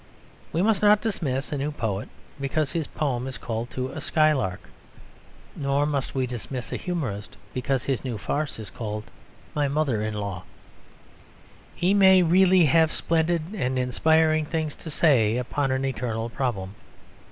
We must not dismiss a new poet because his poem is called To a Skylark; nor must we dismiss a humourist because his new farce is called My Mother in law. He may really have splendid and inspiring things to say upon an eternal problem.